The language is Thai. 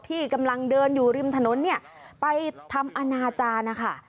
ที่กำลังเดินอยู่ริมถนนเนี่ยไปทำอนาจารย์นะคะ